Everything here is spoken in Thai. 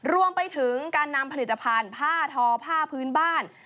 รวมไปถึงการนำผลิตภัณฑ์ผ้าทอผ้าพื้นบ้าน